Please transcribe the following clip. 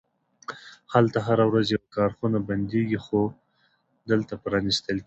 هلته هره ورځ یوه کارخونه بندیږي، خو دلته پرانیستل کیږي